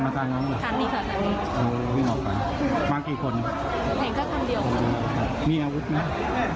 ไม่เห็นค่ะแผงมีกระเป๋าอำนึง